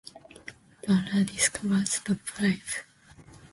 Barra discovers the bribe.